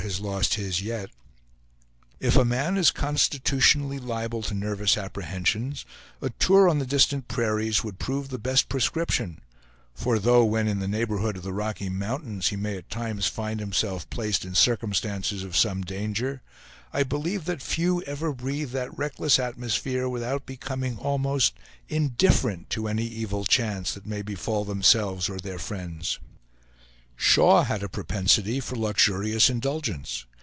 has lost his yet." If a man is constitutionally liable to nervous apprehensions, a tour on the distant prairies would prove the best prescription; for though when in the neighborhood of the Rocky Mountains he may at times find himself placed in circumstances of some danger, I believe that few ever breathe that reckless atmosphere without becoming almost indifferent to any evil chance that may befall themselves or their friends. Shaw had a propensity for luxurious indulgence.